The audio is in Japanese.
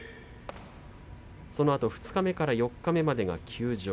そのあと二日目から四日目まで休場。